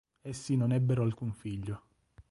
Essi non ebbero alcun figlio.